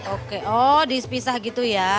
oke oh di pisah gitu ya